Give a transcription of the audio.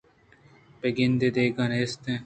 بہ گندے دگہ نیست